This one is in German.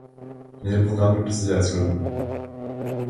In jedem Programm gibt es Sicherheitslücken.